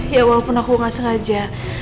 ya walaupun aku gak sengaja